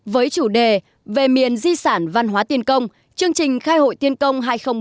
với chủ đề về miền di sản văn hóa tiên công chương trình khai hội tiên công hai nghìn một mươi chín